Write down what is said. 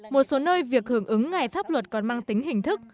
một số nơi việc hưởng ứng ngày pháp luật còn mang tính hình thức